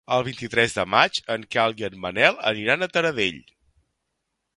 El vint-i-tres de maig en Quel i en Manel aniran a Taradell.